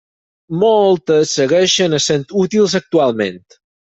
Moltes segueixen essent útils actualment.